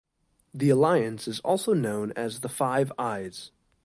The alliance is also known as the Five Eyes.